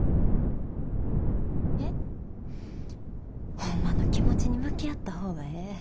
ホンマの気持ちに向き合った方がええ。